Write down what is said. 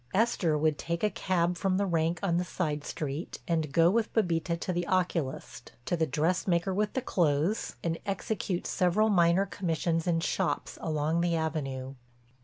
Esther would take a cab from the rank on the side street, and go with Bébita to the oculist, to the dressmaker with the clothes, and execute several minor commissions in shops along the Avenue.